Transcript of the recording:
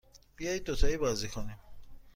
بیایید دوتایی بازی کنیم.